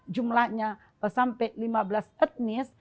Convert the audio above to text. jumlahnya sampai lima belas etnis